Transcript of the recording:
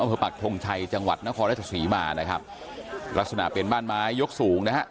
ปักทงชัยจังหวัดนครราชศรีมานะครับลักษณะเป็นบ้านไม้ยกสูงนะฮะ